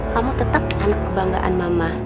kamu tetap anak kebanggaan mama